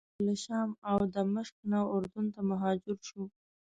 ډېر خلک له شام او دمشق نه اردن ته مهاجر شوي.